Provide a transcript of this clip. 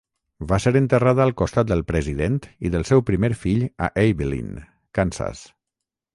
Va ser enterrada al costat del President i del seu primer fill a Abilene, Kansas.